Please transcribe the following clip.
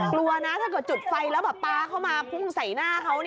กลัวนะถ้าจุดไฟแล้วบ่าพอมาคุ้งใส่หน้าเขา